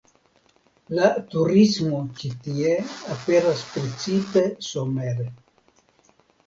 La turismo ĉi tie aperas precipe somere.